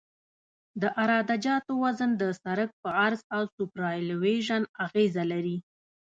د عراده جاتو وزن د سرک په عرض او سوپرایلیویشن اغیزه لري